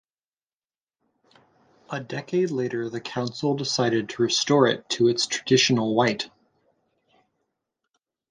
A decade later the council decided to restore it to its traditional white.